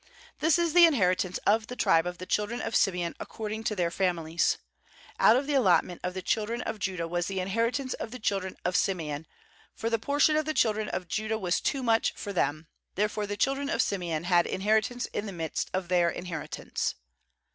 This is the inheritance of the tribe of the children of Simeon according to their families. 90ut of the allotment of the children of Judah was the inheritance of the children of Simeon, for the por tion of the children of Judah was too much for them; therefore the children of Simeon had inheritance in the midst of ijieu* inheritance.